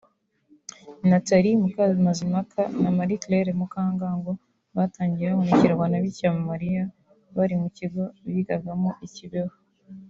Nathalie Mukamazimpaka na Marie Claire Mukangango batangiye babonekerwa na Bikira Mariya bari mu kigo bigagamo i Kibeho